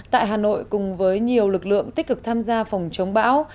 tại hà nội cùng với nhiều lực lượng tích cực tham gia phòng chống bão